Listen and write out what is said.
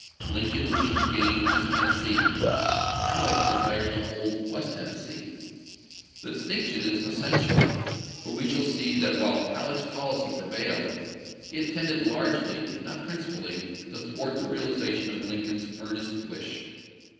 Lin coln wished to gain East Tennessee, Halleck desired to hold West Tennessee. The distinction is essen tial, for we shall see that while Halleck's policy prevailed, it tended largely, if not principally, to thwart the realization of Lincoln's earnest wish.